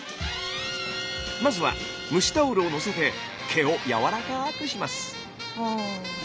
まずは蒸しタオルをのせて毛をやわらかくします。